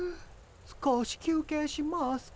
少しきゅうけいしますか。